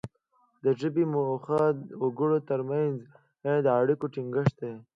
د ژبې موخه د وګړو ترمنځ د اړیکو ټینګښت دی